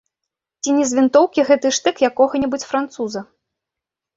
Ці не з вінтоўкі гэты штык якога-небудзь француза?